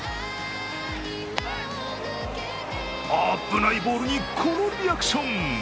危ないボールに、このリアクション。